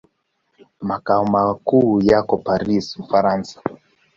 Makao makuu yako Paris, Ufaransa.